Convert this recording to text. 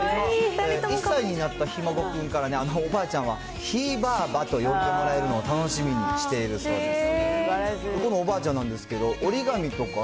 １歳になったひ孫くんからおばあちゃんは、ひいばあばと呼んでもらえるのを楽しみにしているそうです。